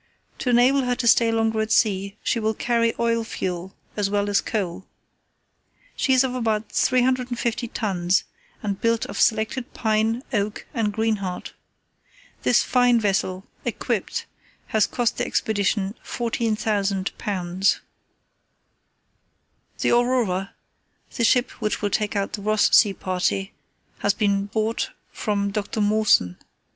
To enable her to stay longer at sea, she will carry oil fuel as well as coal. She is of about 350 tons, and built of selected pine, oak, and greenheart. This fine vessel, equipped, has cost the Expedition £14,000. "The Aurora, the ship which will take out the Ross Sea party, has been bought from Dr. Mawson.